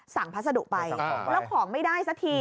พัสดุไปแล้วของไม่ได้สักที